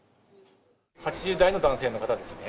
８０代の男性の方ですね。